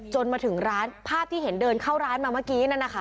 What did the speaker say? มาถึงร้านภาพที่เห็นเดินเข้าร้านมาเมื่อกี้นั่นนะคะ